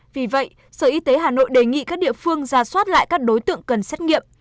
vì vậy sở y tế hà nội đề nghị các địa phương ra soát lại các đối tượng cần xét nghiệm